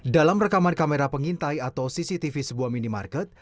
dalam rekaman kamera pengintai atau cctv sebuah minimarket